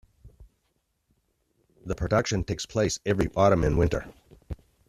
The production takes place every autumn and winter.